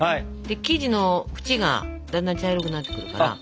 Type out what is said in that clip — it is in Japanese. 生地の縁がだんだん茶色くなってくるから。